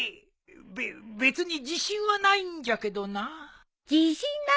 べ別に自信はないんじゃけどな。